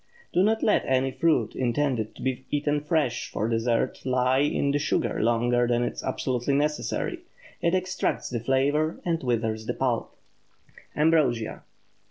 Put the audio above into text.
Do not let any fruit intended to be eaten fresh for dessert lie in the sugar longer than is absolutely necessary. It extracts the flavor and withers the pulp. AMBROSIA.